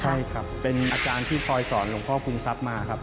ใช่ครับเป็นอาจารย์ที่คอยสอนหลวงพ่อภูมิทรัพย์มาครับ